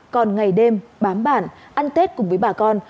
còn ngày đêm bám bản ăn tết cùng với bà con